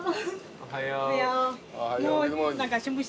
おはよう。